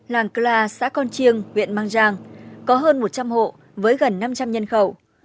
làng kla xã con chiêng huyện mang giang có hơn một trăm linh hộ với gần năm trăm linh nhân khẩu